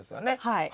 はい。